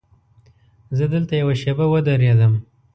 زه دلته یوه شېبه ودرېدم.